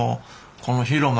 この広間。